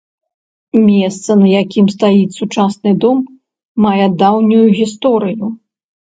Месца, на якім стаіць сучасны дом, мае даўнюю гісторыю.